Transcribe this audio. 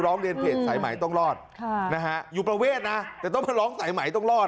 ร้องเรียนเพจสายใหม่ต้องรอดนะฮะอยู่ประเวทนะแต่ต้องมาร้องสายไหมต้องรอด